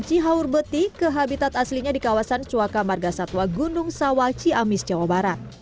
cihaurbeti ke habitat aslinya di kawasan suaka margasatwa gundung sawah ciamis jawa barat